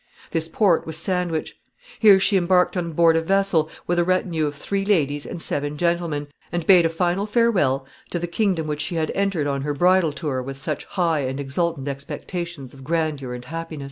This port was Sandwich. Here she embarked on board a vessel, with a retinue of three ladies and seven gentlemen, and bade a final farewell to the kingdom which she had entered on her bridal tour with such high and exultant expectations of grandeur and happiness.